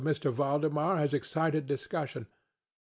Valdemar has excited discussion.